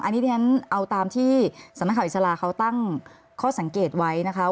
อันนี้ดีงั้นเอาตามที่สมัครอิสระเขาตั้งข้อสังเกตไว้นะคะ